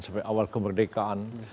sampai awal kemerdekaan